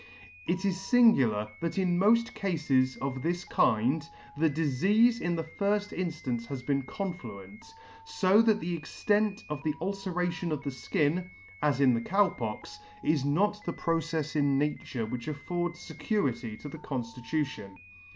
It is lingular, that in mofl cafes of this kind the difeafe in the firfb inffance has been confluent; fo that the extent of the ulceration on the fkin (as in the Cow Pox) is not the procefs in nature which affords fecurity to the conftitution.